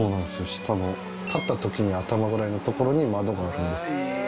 下の立った時に頭ぐらいのところに窓があるんですよ